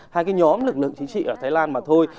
hai cái nhóm lực lượng chính trị ở thái lan mà thôi